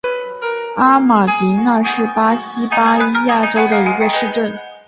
阿马迪纳是巴西巴伊亚州的一个市镇。